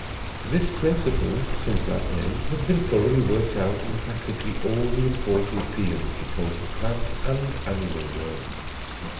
This principle, since that day, has been thoroughly worked out in practically all the important fields of both the plant and animal world.